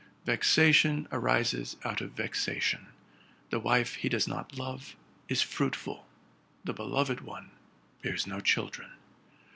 Vexation arises out of vexation. The wife he does not love is fruitful: the beloved one bears no children.